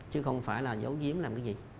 chứ không phải là giấu giếm làm cái gì